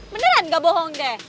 beneran gak bohong deh